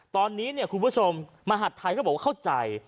ตอนนี้คุณผู้ชมมหัฐไทยก็บอกว่าเข้าใจ